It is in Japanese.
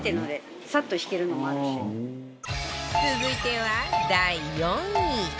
続いては第４位